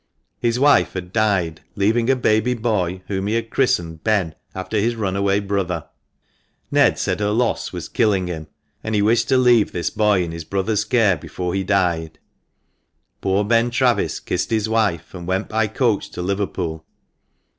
His wife had died, leaving a baby boy, whom he had christened Ben, after his runaway brother. Ned said her loss was killing him, and he wished to leave his boy in his brother's care before he died. Poor Ben Travis kissed his wife, and went by coach to Liverpool.